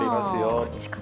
こっちかな？